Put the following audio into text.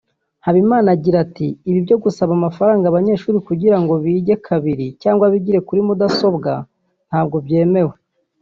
Habimana agira ati ”Ibi byo gusaba amafaranga abanyeshuri kugira ngo bige kabiri cyangwa bigire kuri mudasobwa ntabwo byemewe